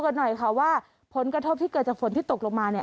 กันหน่อยค่ะว่าผลกระทบที่เกิดจากฝนที่ตกลงมาเนี่ย